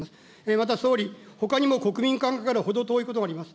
また総理、ほかにも国民感覚から程遠いことがあります。